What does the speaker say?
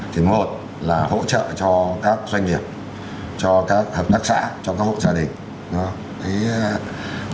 thứ một là hỗ trợ cho các doanh nghiệp cho các hợp đắc xã cho các hộ gia đình